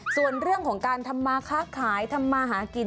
ส่วนเรื่องของการทำมาค้าขายทำมาหากิน